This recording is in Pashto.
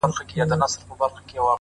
ستا خو جانانه د رڼا خبر په لـپـه كي وي،